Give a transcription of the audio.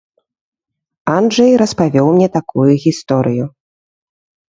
Анджэй распавёў мне такую гісторыю.